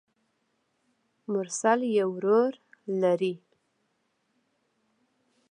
مرسل يو ورور لري.